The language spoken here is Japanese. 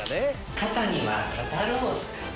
肩には肩ロースかな